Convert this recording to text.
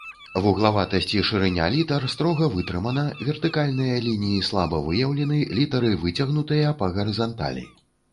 Вуглаватасць і шырыня літар строга вытрымана, вертыкальныя лініі слаба выяўлены, літары выцягнутыя па гарызанталі.